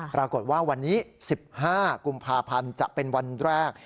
ปรากฏว่าวันนี้๑๕กุมภาพันธ์จะเป็นวันแรก